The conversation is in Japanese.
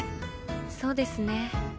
そうですね。